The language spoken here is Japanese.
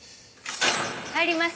入ります。